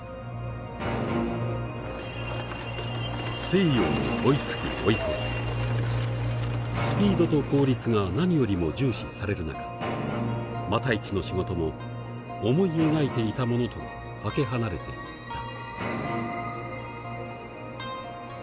非常に悪い言い方ですけれどもスピードと効率が何よりも重視される中復一の仕事も思い描いていたものとはかけ離れていった。